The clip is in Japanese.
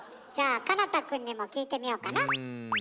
じゃあ奏多くんにも聞いてみようかな。